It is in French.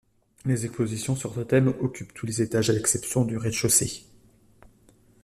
Les expositions sur ce thème occupent tous les étages à l'exception du rez-de-chaussée.